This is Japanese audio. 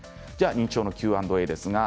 認知症のＱ＆Ａです。